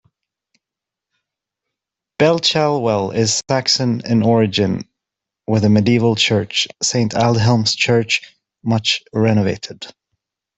Belchalwell is Saxon in origin, with a medieval church, Saint Aldhelm's Church, much renovated.